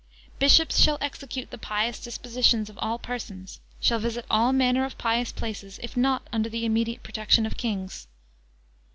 Bishops shall execute the pious dispositions of all persons; shall visit all manner of pious places, if not under the immediate protection of Kings.